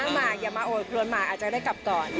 หมากอย่ามาโอดครวนหมากอาจจะได้กลับก่อน